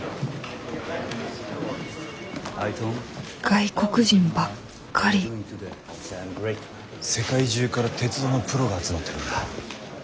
外国人ばっかり世界中から鉄道のプロが集まってるんだ。